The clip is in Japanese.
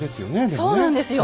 そうなんですよ。